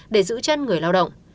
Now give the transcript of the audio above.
để giữ chân người lao động